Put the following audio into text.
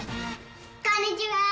こんにちは！